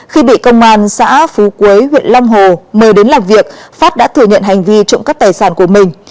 khi bị công an xã phú quế huyện long hồ mời đến làm việc pháp đã thừa nhận hành vi trộm cắp tài sản của mình